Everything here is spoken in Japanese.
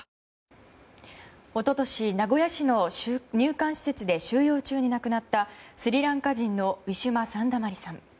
一昨年名古屋市の入管施設で収容中に亡くなったスリランカ人のウィシュマ・サンダマリさん。